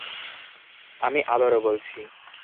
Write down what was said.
আমি আবারো বলছি।